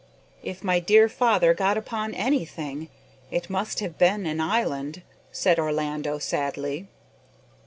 "If my dear father got upon anything, it must have been an island," said Orlando sadly.